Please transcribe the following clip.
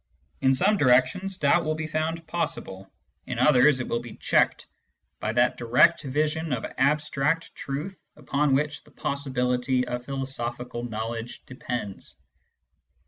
In some directions, doubt will be found possible ; in others, it will be checked by that direct vision of abstract truth upon which the possi bility of philosophical knowledge depends.